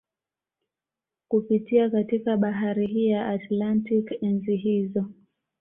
Kupitia katika bahari hii ya Atlantik enzi hizo